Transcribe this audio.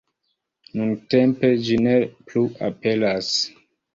Nuntempe ĝi ne plu aperas.